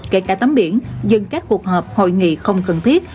kể cả tắm biển dừng các cuộc họp hội nghị không cần thiết